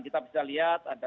kita bisa lihat ada